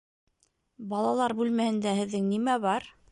Балалар бүлмәһендә һеҙҙең нимә бар?